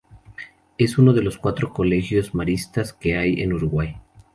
Es uno de los cuatro colegios maristas que hay en Uruguay.